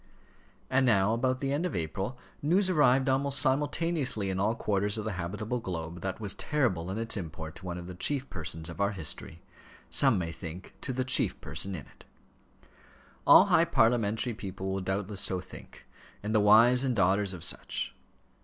And now about the end of April news arrived almost simultaneously in all quarters of the habitable globe that was terrible in its import to one of the chief persons of our history; some may think to the chief person in it. All high parliamentary people will doubtless so think, and the wives and daughters of such.